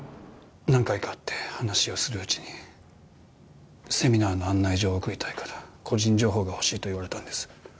何回か会って話をするうちにセミナーの案内状を送りたいから個人情報が欲しいと言われたんです。